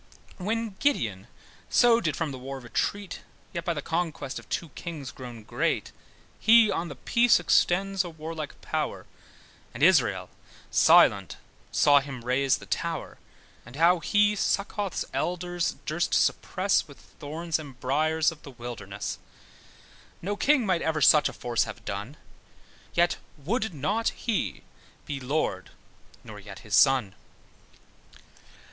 When Gideon so did from the war retreat, Yet by the conquest of two kings grown great, He on the peace extends a warlike power, And Israel silent saw him raze the tower; And how he Succorth's Elders durst suppress, With thorns and briars of the wilderness. No king might ever such a force have done; Yet would not he be Lord, nor yet his son.